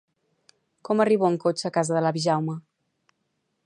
Com arribo en cotxe a casa de l'avi Jaume?